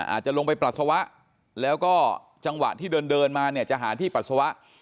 อาจจะลงไปปัสสาวะแล้วก็จังหวะที่เดินมาเนี่ยจะหาที่ปัสสาวะ